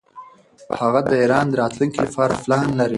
هغه د ایران د راتلونکي لپاره پلان لري.